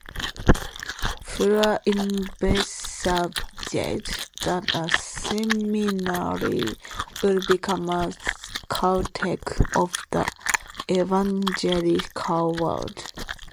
Fuller envisaged that the seminary would become a Caltech of the evangelical world.